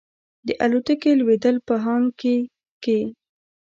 د الوتکې لوېدل په هانګ کې کې.